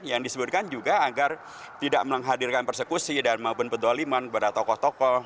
yang disebutkan juga agar tidak menghadirkan persekusi dan maupun pedoliman kepada tokoh tokoh